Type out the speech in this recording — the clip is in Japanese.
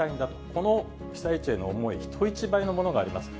この被災地への思いは人一倍のものがあります。